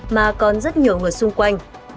mà còn rất nhiều người xung quanh